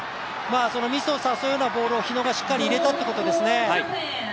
ミスを誘うようなボールを日野がしっかり入れたっていうことですね。